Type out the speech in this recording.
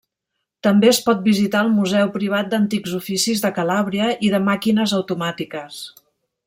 També es pot visitar el museu privat d'antics oficis de Calàbria i de màquines automàtiques.